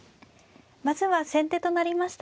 まずは先手となりました